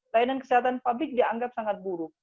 layanan kesehatan publik dianggap sangat buruk